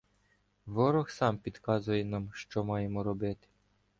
Ворог сам підказує нам, що маємо робити.